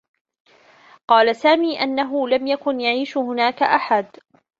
قال سامي أنّه لم يكن يعيش هناك أحد.